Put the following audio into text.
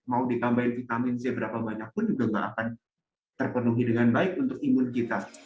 mau ditambahin vitamin c berapa banyak pun juga nggak akan terpenuhi dengan baik untuk imun kita